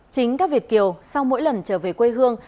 chính các việt kiều sau mỗi lần trở về quê hương